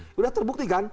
sudah terbukti kan